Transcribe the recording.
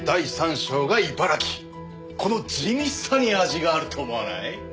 この地味さに味があると思わない？